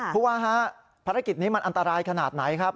ผู้ว่าฮะภารกิจนี้มันอันตรายขนาดไหนครับ